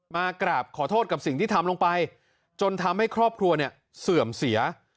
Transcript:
มากราบขอโทษกับสิ่งที่ทำลงไปจนทำให้ครอบครัวเนี่ยเสื่อมเสีย